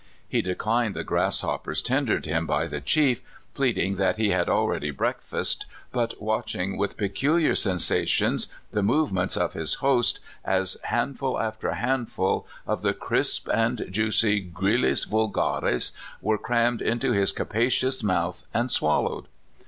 He declined the grass hoppers tendered him by the chief, pleading that he had already breakfasted, but watched with pe culiar sensations the movements of his host, as handful after handful of the crisp and ]\ncy gryUus vulgaris were crammed into his capacious mouth, and swallowed.